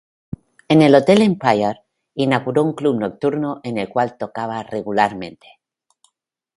En el Hotel Empire inauguró un club nocturno en el cual tocaba regularmente.